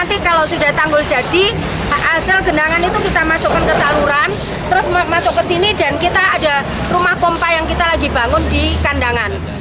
terus masuk ke sini dan kita ada rumah pompa yang kita lagi bangun di kandangan